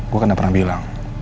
gue kan gak pernah bilang